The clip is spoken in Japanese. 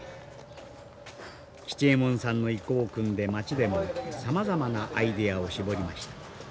吉右衛門さんの意向をくんで町でもさまざまなアイデアを絞りました。